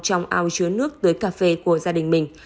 trong ao chứa nước tưới cà phê của gia đình mình